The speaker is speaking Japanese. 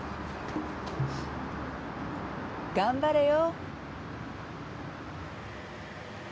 頑張れよ。